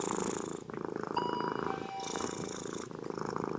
Մացա սննդամթերքը ինքնին ավելի հարուստ է ածխաջրերով քան ցանակացած այլ տարրով։